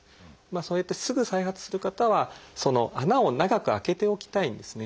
そうやってすぐ再発する方は穴を長く開けておきたいんですね。